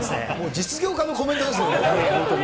実業家のコメントですね、本当に。